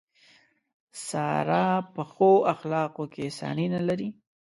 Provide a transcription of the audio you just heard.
ساره په ښو اخلاقو کې ثاني نه لري.